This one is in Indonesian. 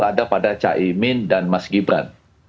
ada pada caimin dan mas gibran